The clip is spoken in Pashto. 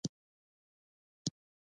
د دوي وړومبے ملاقات د اجمل بابا سره